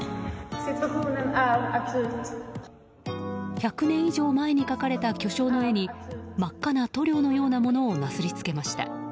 １００年以上前に描かれた巨匠の絵に真っ赤な塗料のようなものをなすりつけました。